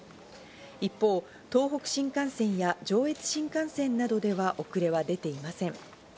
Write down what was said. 一方、東北新幹線や上越新幹線などでは遅れは出ていません。